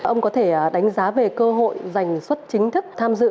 ông có thể đánh giá về cơ hội dành xuất chính thức tham dự